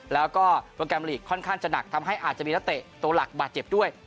แล้วก็โปรแกรมลีกค่อนข้างจะหนักทำให้อาจจะมีนักเตะตัวหลักบาดเจ็บด้วย